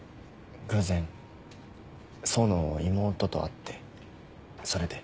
偶然想の妹と会ってそれで。